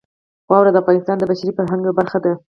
واوره د افغانستان د بشري فرهنګ یوه برخه ده.